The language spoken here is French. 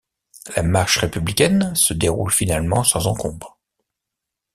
La marche républicaine se déroule finalement sans encombre.